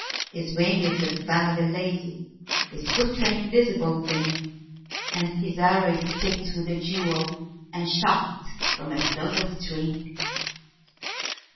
His wing is the fan of a lady, His foot's an invisible thing, And his arrow is tipped with a jewel, And shot from a silver string.